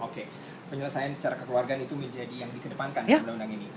oke penyelesaian secara kekeluargaan itu menjadi yang dikedepankan dalam undang undang ini